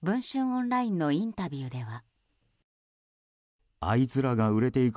オンラインのインタビューでは。